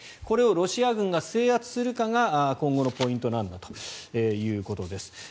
これをロシア軍が制圧するかが今後のポイントなんだということです。